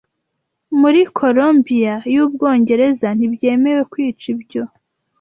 Muri Columbiya y'Ubwongereza ntibyemewe kwica ibyo